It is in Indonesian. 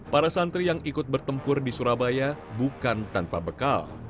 para santri yang ikut bertempur di surabaya bukan tanpa bekal